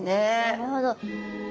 なるほど。